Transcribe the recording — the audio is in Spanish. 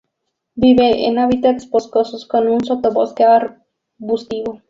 Vive en hábitats boscosos con un sotobosque arbustivo.